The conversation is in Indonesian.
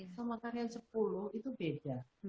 sama karya sepuluh itu beda